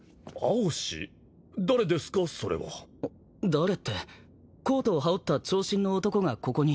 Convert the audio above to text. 誰ってコートを羽織った長身の男がここに。